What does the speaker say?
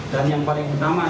dan yang paling utama adalah